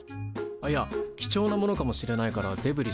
いや貴重なものかもしれないからデブリじゃない。